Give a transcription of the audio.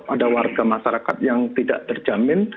ada warga masyarakat yang tidak terjamin